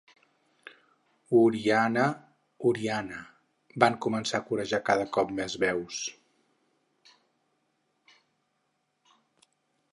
O-ri-a-na, O-ri-a-na! —van començar corejar cada cop més veus.